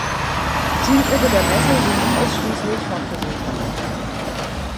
Zielgruppe der Messe sind ausschließlich Fachbesucher.